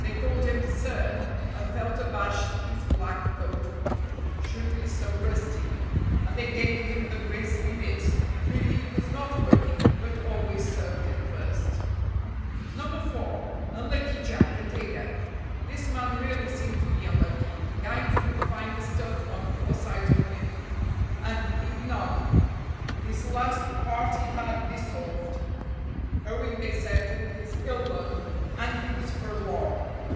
They called him "Sir," and felt abashed his black coat should be so rusty; and they gave him the gristly bits, for he was not working, but always served him first. No. 4, Unlucky Jack, a digger. This man really seemed to be unlucky. Gangs would find the stuff on four sides of him, and he none; his last party had dissolved, owing they said to his ill luck, and he was forlorn.